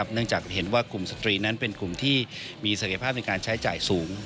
เนื่องจากเห็นว่ากลุ่มสตรีนั้นเป็นกลุ่มที่มีศักยภาพในการใช้จ่ายสูง